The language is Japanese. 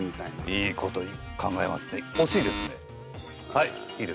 はい。